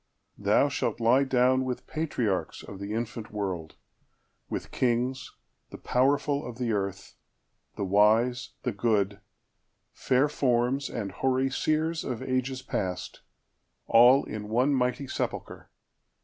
Thou shalt lie downWith patriarchs of the infant world,—with kings, The powerful of the earth,—the wise, the good, Fair forms, and hoary seers of ages past, All in one mighty sepulchre.